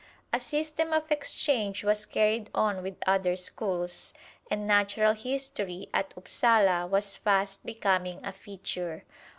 A system of exchange was carried on with other schools, and Natural History at Upsala was fast becoming a feature.